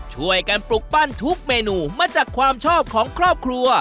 ช่วยกันปลุกปั้นทุกเมนูมาจากความชอบของครอบครัว